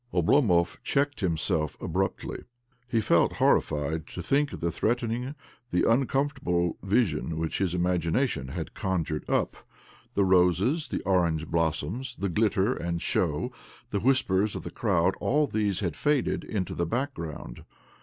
Oblomov checked himself abruptly. He felt horrified to think of the threatening, the imcomfortable, vision which his imagination had conjured up. The roses, the orange blossoms, the glitter and show, the whispers of the crowd — all these had faded into the background'.